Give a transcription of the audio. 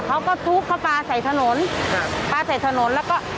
เขาก็ทุบเขาปลาใส่ถนนครับปลาใส่ถนนแล้วก็